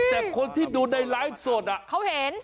แต่คนที่ดูในไลฟ์สดเขาเห็น